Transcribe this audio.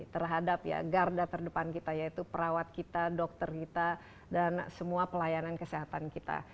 terhadap ya garda terdepan kita yaitu perawat kita dokter kita dan semua pelayanan kesehatan kita